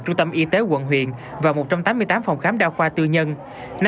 trung tâm y tế quận huyện và một trăm tám mươi tám phòng khám đa khoa tư nhân